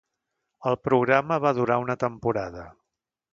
El programa va durar una temporada.